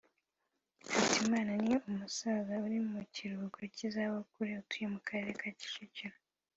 Hitimana ni umusaza uri mu kiruhuko cy’izabukuru utuye mu Karere ka Kicukiro